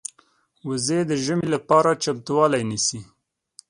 وزې د ژمې لپاره چمتووالی نیسي